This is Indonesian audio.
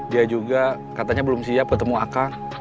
dia juga katanya belum siap ketemu akan